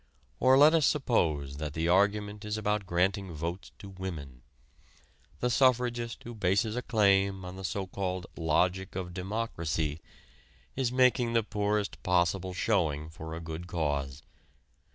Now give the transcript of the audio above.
Or let us suppose that the argument is about granting votes to women. The suffragist who bases a claim on the so called "logic of democracy" is making the poorest possible showing for a good cause.